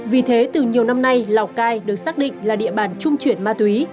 vì thế từ nhiều năm nay lào cai được xác định là địa bàn trung chuyển ma túy